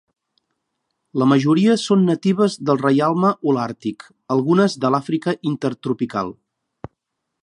La majoria són natives del reialme holàrtic, algunes de l'Àfrica intertropical.